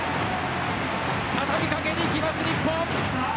畳み掛けてきます、日本。